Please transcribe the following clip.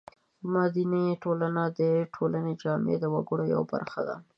مدني ټولنه د ټولې جامعې د وګړو یوه برخه ده.